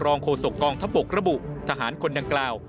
รองโคศกกองทับบกระบุทหารคนดังกล่าว